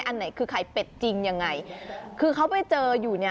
อันไหนคือไข่เป็ดจริงยังไงคือเขาไปเจออยู่เนี่ย